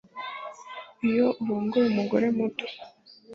iyo urongoye umugore muto